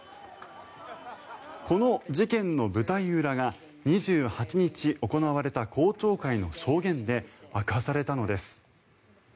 この事件の舞台裏が２８日行われた公聴会の証言で明かされたのです。